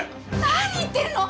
何言ってるの？